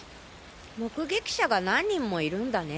目撃者が何人もいるんだね。